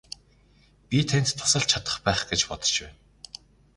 Би танд тусалж чадах байх гэж бодож байна.